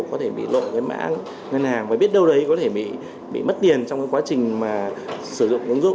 có thể bị lộ cái mã ngân hàng và biết đâu đấy có thể bị mất tiền trong cái quá trình mà sử dụng ứng dụng